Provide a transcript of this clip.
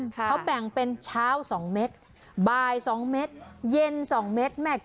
ค่ะเขาแบ่งเป็นเช้าสองเมตรบ่ายสองเมตรเย็นสองเมตร